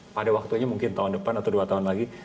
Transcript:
pada waktunya mungkin tahun depan atau dua tahun lagi